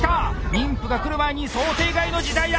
妊婦が来る前に想定外の事態だ！